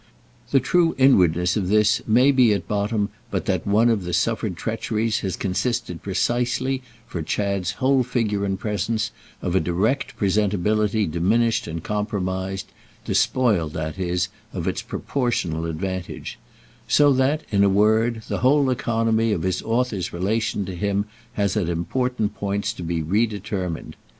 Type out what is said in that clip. The true inwardness of this may be at bottom but that one of the suffered treacheries has consisted precisely, for Chad's whole figure and presence, of a direct presentability diminished and compromised—despoiled, that is, of its proportional advantage; so that, in a word, the whole economy of his author's relation to him has at important points to be redetermined.